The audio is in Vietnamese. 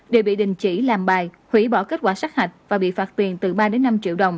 đều bị đình chỉ làm bài hủy bỏ kết quả sát hạch và bị phạt tiền từ ba đến năm triệu đồng